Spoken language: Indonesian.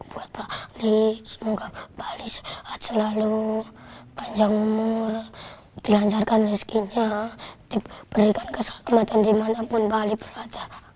buat pak ali semoga pak ali sehat selalu panjang umur dilancarkan resikinya diberikan keselamatan dimanapun pak ali berada